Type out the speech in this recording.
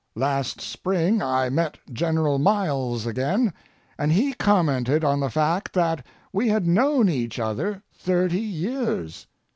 Last spring I met General Miles again, and he commented on the fact that we had known each other thirty years.